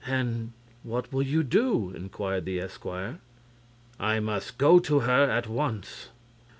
"And what will you do?" inquired the esquire. "I must go to her at once."